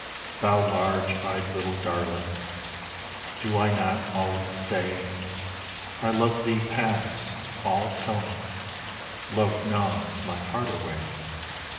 Thou large eyed little darling, Do I not always say I love thee past all telling Love gnaws my heart away?